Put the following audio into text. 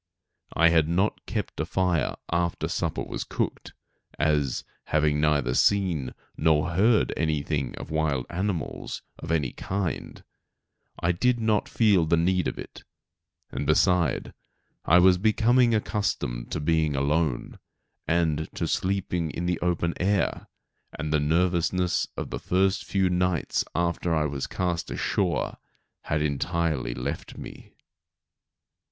I had not kept a fire after supper was cooked, as, having neither seen nor heard anything of wild animals of any kind, I did not feel the need of it; and, beside, I was becoming accustomed to being alone, and to sleeping in the open air, and the nervousness of the first few nights after I was cast ashore had entirely left me.